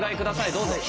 どうぞ。